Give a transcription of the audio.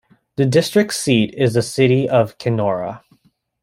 The district seat is the City of Kenora.